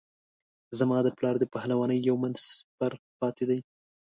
زما د پلار د پهلوانۍ یو من سپر پاته دی.